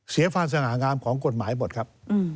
เสียความสง่างามของกฎหมายหมดครับ